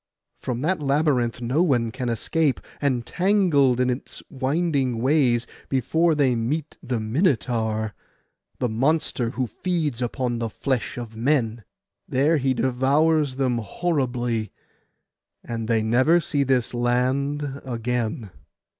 From that labyrinth no one can escape, entangled in its winding ways, before they meet the Minotaur, the monster who feeds upon the flesh of men. There he devours them horribly, and they never see this land again.